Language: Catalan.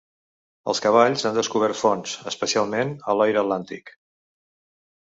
Els cavalls han descobert fonts, especialment a Loira Atlàntic.